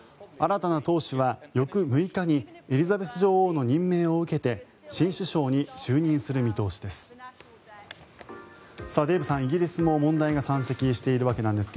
新たな党首は翌６日にエリザベス女王の任命を受けて新首相に就任する見通しです。